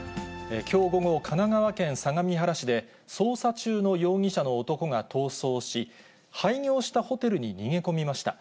きょう午後、神奈川県相模原市で、捜査中の容疑者の男が逃走し、廃業したホテルに逃げ込みました。